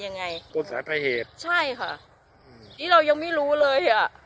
ยังไงต้นสายปลายเหตุใช่ค่ะอืมนี่เรายังไม่รู้เลยอ่ะ